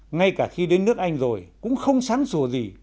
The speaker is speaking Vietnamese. ngay cả khi đến nước anh rồi cũng không sáng sùa gì